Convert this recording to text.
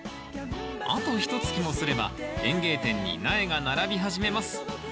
あとひとつきもすれば園芸店に苗が並び始めます。